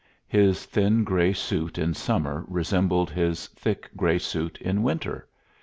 His thin gray suit in summer resembled his thick gray suit in winter.